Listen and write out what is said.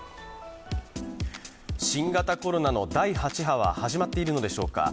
新型コロナの第８波は始まっているのでしょうか。